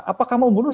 apakah mau membunuh